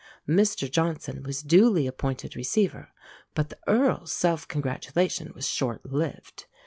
Mr Johnson was duly appointed receiver; but the Earl's self congratulation was short lived.